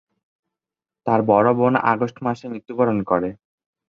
তার বড় বোন আগস্ট মাসে মৃত্যুবরণ করে।